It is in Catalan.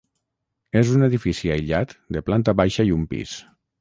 És un edifici aïllat de planta baixa i un pis.